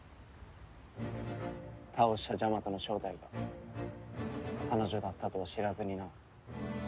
倒したジャマトの正体が彼女だったとは知らずにな。